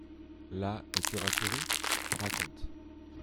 Là, es-tu rassuré ? Raconte.